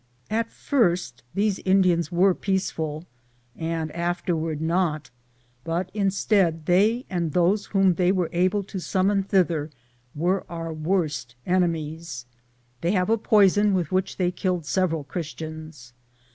At first these Indians were peaceful; and ...Google THE JOURNEY OF COKONADO afterward not, but instead they and those whom they were able to summon thither were our worst enemies. They have a poi son with which they killed several Chris tians.